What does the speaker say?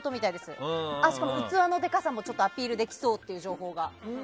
器のでかさもアピールできそうっていう情報が。